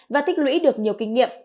và thích lũy được nhiều kinh nghiệm